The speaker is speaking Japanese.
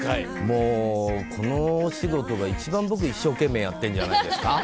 もうこのお仕事が一番僕一生懸命やってんじゃないですか。